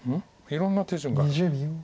いろんな手順がある。